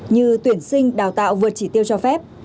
như tuyển sinh đào tạo vượt chỉ tiêu cho phép